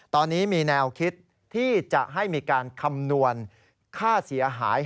ตอนนี้มีแนวคิดที่จะให้มีการคำนวณค่าเสียหาย